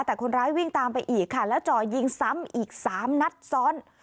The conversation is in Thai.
แต่คนร้ายวิ่งตามไปอีกค่ะแล้วจ่อยิงซ้ำอีก๓นัดซ้อน